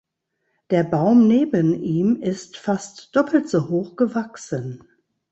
Der Baum neben ihm ist fast doppelt so hoch gewachsen.